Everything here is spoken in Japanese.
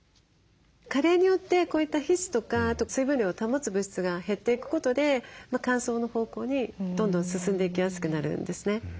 加齢によってこういった皮脂とかあと水分量を保つ物質が減っていくことで乾燥の方向にどんどん進んでいきやすくなるんですね。